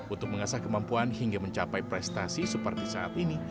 untuk mengasah kemampuan hingga mencapai prestasi seperti saat ini